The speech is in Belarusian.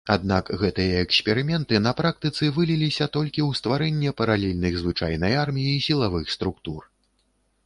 Аднак гэтыя эксперыменты на практыцы выліліся толькі ў стварэнне паралельных звычайнай арміі сілавых структур.